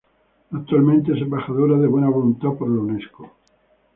Actualmente es embajadora de buena voluntad de la Unesco.